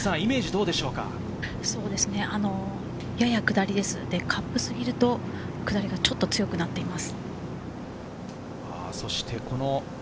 そうですね。やや下りですので、カップをすぎると下りがちょっと強くなっています。